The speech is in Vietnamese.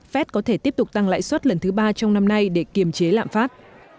fed có thể tiếp tục tăng lãi suất lần thứ ba trong năm nay để kiềm chế lạm phát